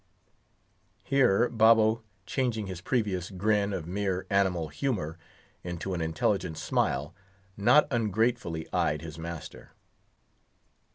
Here Babo, changing his previous grin of mere animal humor into an intelligent smile, not ungratefully eyed his master.